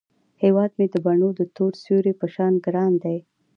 هیواد مې د بڼو د تور سیوري په شان ګران دی